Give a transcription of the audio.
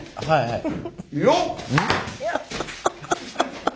よっ！